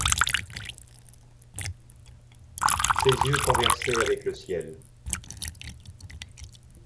Ses yeux conversaient avec le ciel.